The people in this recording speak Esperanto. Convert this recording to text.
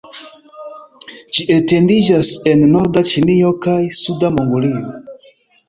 Ĝi etendiĝas en norda Ĉinio kaj suda Mongolio.